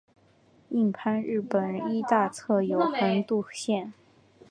印幡日本医大侧有横渡线。